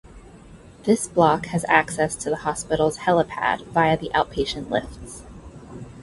This block has access to the Hospital's helipad, via the Outpatient lifts.